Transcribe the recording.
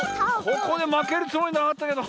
ここでまけるつもりなかったけど。